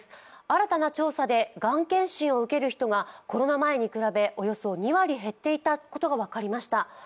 新たな調査でがん検診を受ける人がコロナ前に比べおよそ２割減っていたことが分かりました。